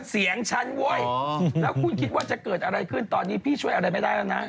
เสียงฉันเว้ยแล้วคุณคิดว่าจะเกิดอะไรขึ้นตอนนี้พี่ช่วยอะไรไม่ได้แล้วนะ